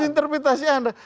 itu interpretasi anda